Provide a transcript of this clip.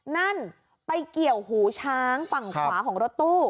นั่นไปเกี่ยวหูช้างฝั่งขวาของรถตู้